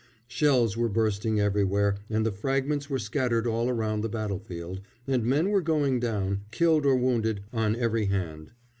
Shells were bursting everywhere and the fragments were scattered all around the battlefield, and men were going down, killed or wounded, on every hand.